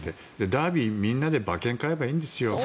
ダービーをみんなで馬券を買えばいいんですよ。